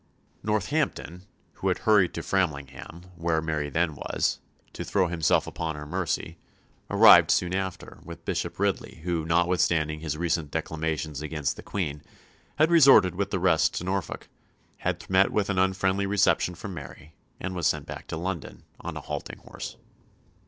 Northampton, who had hurried to Framlingham, where Mary then was, to throw himself upon her mercy, arrived soon after; with Bishop Ridley, who, notwithstanding his recent declamations against the Queen, had resorted with the rest to Norfolk, had met with an unfriendly reception from Mary, and was sent back to London "on a halting horse."